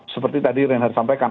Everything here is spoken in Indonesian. seperti tadi renhard sampaikan